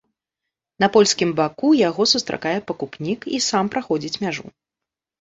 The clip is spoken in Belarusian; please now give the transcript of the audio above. На польскім баку яго сустракае пакупнік і сам праходзіць мяжу.